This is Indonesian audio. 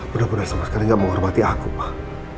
benar benar sama sekali gak menghormati aku pak